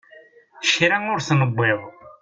Kra ur t-newwiḍ.